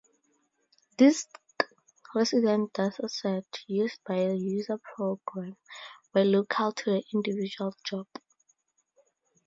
Disk-resident datasets used by a user program were 'local' to the individual job.